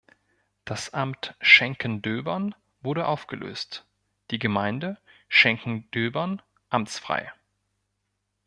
Das Amt Schenkendöbern wurde aufgelöst, die Gemeinde Schenkendöbern amtsfrei.